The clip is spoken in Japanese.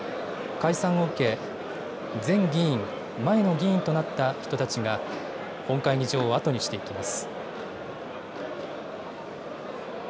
解散を受け、前議員・前の議員が本会議場を後にしていきます。